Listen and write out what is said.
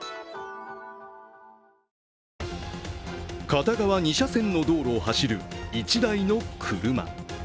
片側２車線の道路を走る１台の車。